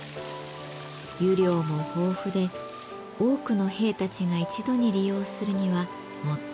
湯量も豊富で多くの兵たちが一度に利用するにはもってこいの場所。